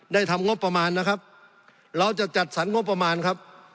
ทำงบประมาณนะครับเราจะจัดสรรงบประมาณครับ